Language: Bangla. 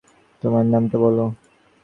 তোমার নামটা বলো।